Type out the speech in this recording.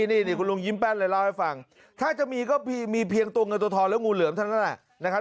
นี่คุณลุงยิ้มแป้นเลยเล่าให้ฟังถ้าจะมีก็มีเพียงตัวเงินตัวทองและงูเหลือมเท่านั้นแหละนะครับ